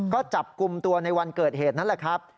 ก็จับกลุ่มตัวในวันเกิดเหตุนั่นแหละครับ